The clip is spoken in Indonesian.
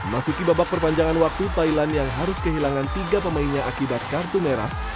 masuki babak perpanjangan waktu thailand yang harus kehilangan tiga pemainnya akibat kartu merah